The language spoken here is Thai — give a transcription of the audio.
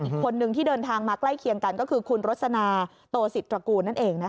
อีกคนนึงที่เดินทางมาใกล้เคียงกันก็คือคุณรสนาโตศิษระกูลนั่นเอง